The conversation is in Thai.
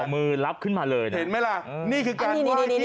เห็นไหมล่ะนี่คือการว่ายที่